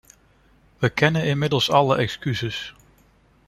We kennen inmiddels alle excuses.